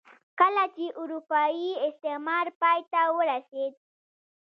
کله چې اروپايي استعمار پای ته ورسېد.